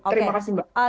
terima kasih mbak